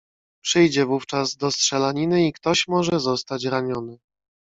"Przyjdzie wówczas do strzelaniny i ktoś może zostać raniony."